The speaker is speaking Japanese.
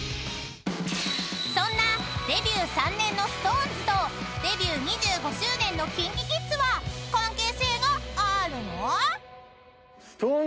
［そんなデビュー３年のＳｉｘＴＯＮＥＳとデビュー２５周年のＫｉｎＫｉＫｉｄｓは関係性があるの？］